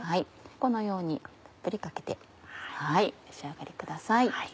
このようにたっぷりかけてお召し上がりください。